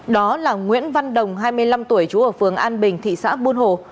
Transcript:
đó là nguyễn văn đồng hai mươi năm tuổi chú ở phường an bình thị xã buôn hồ